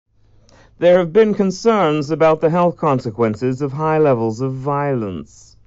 There have been concerns about the health consequences of high levels of violence.